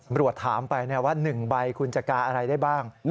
บรัวถามไปเนี้ยว่า๑ใบคุณจะการอะไรได้บ้าง